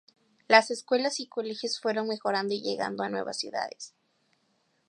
Las escuelas y colegios fueron mejorando y llegando a nuevas ciudades.